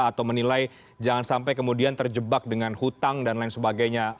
atau menilai jangan sampai kemudian terjebak dengan hutang dan lain sebagainya